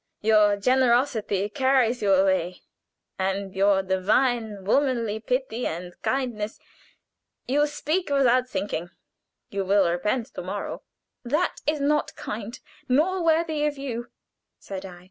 Your generosity carries you away, and your divine, womanly pity and kindness. You speak without thinking. You will repent to morrow." "That is not kind nor worthy of you," said I.